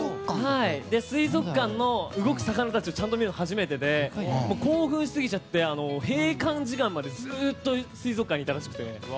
水族館の動く魚たちをちゃんと見るのが初めてで興奮しすぎちゃって閉館時間までずっと水族館にいたらしくて。